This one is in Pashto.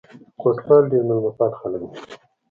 کوټوال ډېر مېلمه پال خلک دي.